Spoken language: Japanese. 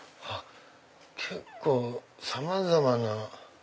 結構さまざまな。